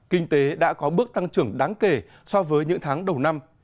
kinh tế đã có bước tăng trưởng đáng kể so với những tháng đầu năm